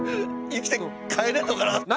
生きて帰れんのかなって。